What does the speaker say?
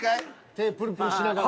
手プルプルしながら。